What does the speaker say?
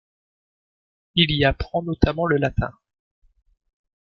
Il y apprend notamment le latin.